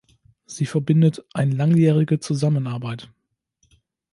Sie verbindet ein langjährige Zusammenarbeit.